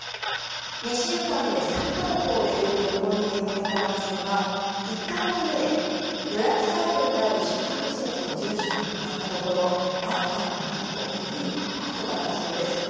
２週間で３か国を巡る旅行に出かけた男性は１か国目で、予約サイトにある宿泊施設の住所に向かったところあったのはなんと古いアパートだったそうです。